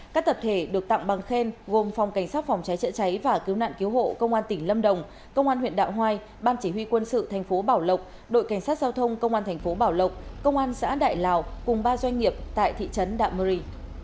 các tập thể được tặng bằng khen gồm phòng cảnh sát phòng trái trợ cháy và cứu nạn cứu hộ công an tỉnh lâm đồng công an huyện đạo hoài ban chỉ huy quân sự tp bảo lộc đội cảnh sát giao thông công an tp bảo lộc công an xã đại lào cùng ba doanh nghiệp tại thị trấn đạo murray